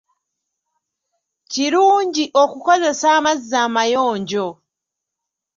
Kirungi okukozesa amazzi amayonjo.